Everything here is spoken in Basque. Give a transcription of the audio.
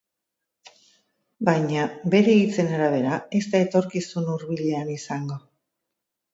Baina, bere hitzen arabera ez da etorkizun hurbilean izango.